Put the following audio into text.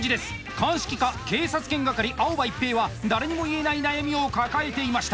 鑑識課警察犬係青葉一平は誰にも言えない悩みを抱えていました。